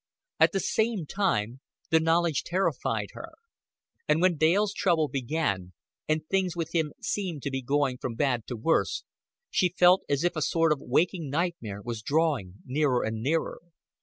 At the same time the knowledge terrified her; and when Dale's trouble began, and things with him seemed to be going from bad to worse, she felt as if a sort of waking nightmare was drawing nearer and nearer.